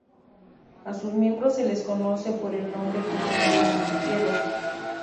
A sus miembros se les conoce por el nombre común de hormigueros.